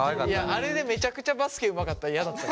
あれでめちゃくちゃバスケうまかったら嫌だったもん。